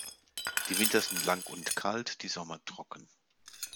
Die Winter sind lang und kalt, die Sommer trocken.